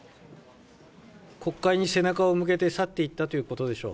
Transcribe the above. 国会に背中を向けて去っていったということでしょう。